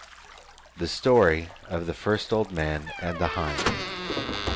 The Story of the First Old Man and the Hind.